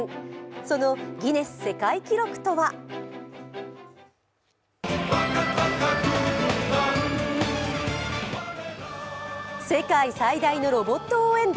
そのギネス世界記録とは世界最大のロボット応援団。